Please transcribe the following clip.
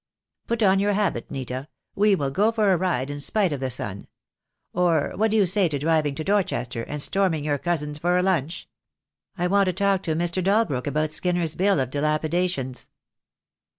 "Put on your habit, Nita. We will go for a ride in spite of the sun. Or what do you say to driving to Dorchester, and storming your cousins for a lunch? I THE DAY WILL COME. 57 want to talk to Mr. Dalbrook about Skinner's bill of dilapidations."